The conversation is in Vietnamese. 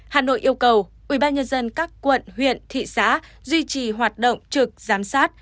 hà nội yêu cầu ubnd các quận huyện thị xã duy trì hoạt động trực giám sát